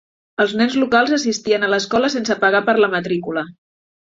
Els nens locals assistien a l'escola sense pagar per la matrícula.